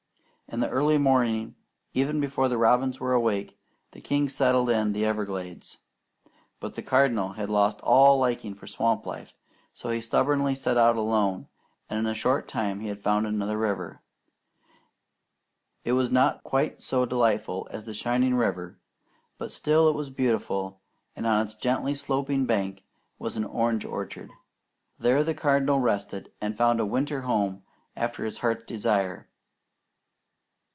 In the early morning, even before the robins were awake, the king settled in the Everglades. But the Cardinal had lost all liking for swamp life, so he stubbornly set out alone, and in a short time he had found another river. It was not quite so delightful as the shining river; but still it was beautiful, and on its gently sloping bank was an orange orchard. There the Cardinal rested, and found a winter home after his heart's desire.